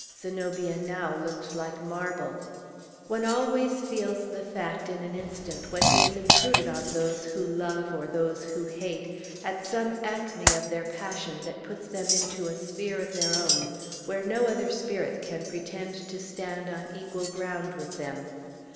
Zenobia now looked like marble. One always feels the fact, in an instant, when he has intruded on those who love, or those who hate, at some acme of their passion that puts them into a sphere of their own, where no other spirit can pretend to stand on equal ground with them.